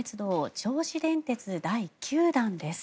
銚子電鉄、第９弾です。